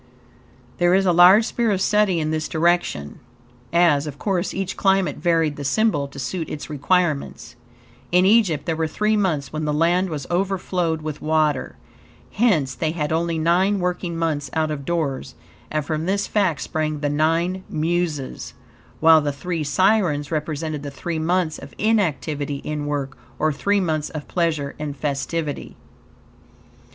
There is a large sphere of study in this direction, as, of course, each climate varied the symbol to suit its requirements. In Egypt there were three months when the land was overflowed with water; hence, they had only nine working months out of doors, and from this fact sprang the Nine Muses, while the Three Sirens represented the three months of inactivity in work, or three months of pleasure and festivity.